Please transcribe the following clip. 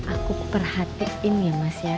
aku perhatiin ya mas ya